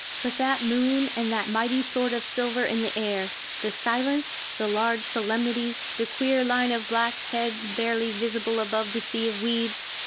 But that moon and that mighty sword of silver in the air, the silence, the large solemnity, the queer line of black heads barely visible above the sea of weeds!